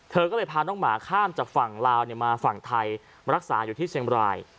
เธอก็เลยพาน้องหมาข้ามจากฝั่งลาวมาฝั่งไทยมารักษาอยู่ที่เชียงบราย